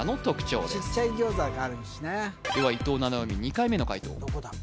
ちっちゃい餃子があるしなでは伊藤七海２回目の解答・どこだ？